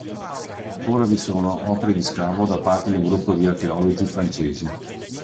Ora vi sono opere di scavo da parte di un gruppo di archeologi francesi.